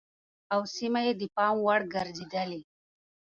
او سيمه يې د پام وړ ګرځېدلې